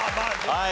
はい。